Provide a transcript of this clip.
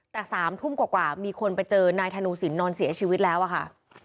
แต่๓ทุ่มกว่ามีคนไปเจอนายธนูสินนอนเสียชีวิตแล้วอะค่ะ